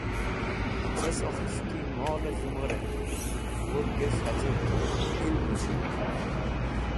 Cersokhtẽs̃h ki molẽ z̃hẽmũrẽn, wudhgẽs̃h haz̃irg ilmẽ z̃hẽmũr.